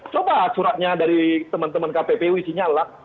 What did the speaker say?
coba suratnya dari teman teman kppu isinya adalah